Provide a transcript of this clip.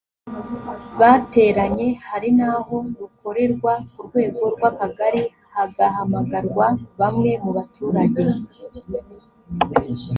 bateranye hari n aho rukorerwa ku rwego rw akagari hagahamagarwa bamwe mu baturage